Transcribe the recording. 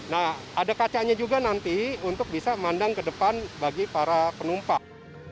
nah ada kacanya juga nanti untuk bisa mandang ke depan bagi para penumpang